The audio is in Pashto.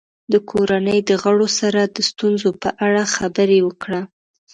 د کورنۍ د غړو سره د ستونزو په اړه خبرې وکړه.